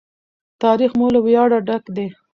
تاریخ مو له ویاړه ډک دی.